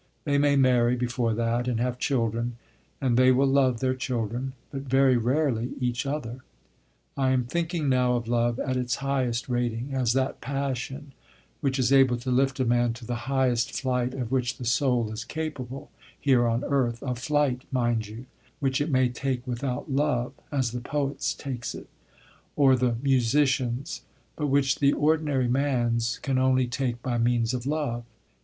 They may marry before that and have children; and they will love their children, but very rarely each other. I am thinking now of love at its highest rating, as that passion which is able to lift a man to the highest flight of which the soul is capable here on earth a flight, mind you, which it may take without love, as the poet's takes it, or the musician's, but which the ordinary man's can only take by means of love.